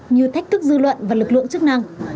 như thách thức dư luận và lực lượng chức năng